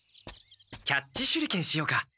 キャッチ手裏剣しようか！